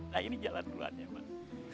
nah ini jalan keluarnya mak